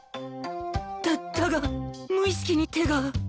だだが無意識に手が